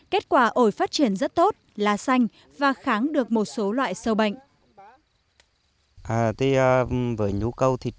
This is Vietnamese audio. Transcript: kết quả ổi phát triển rất tốt là xanh và kháng được một số loại sâu bệnh